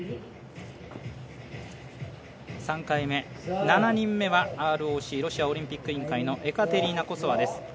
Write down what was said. ３回目、７人目はＲＯＣ＝ロシアオリンピック委員会のエカテリーナ・コソワです。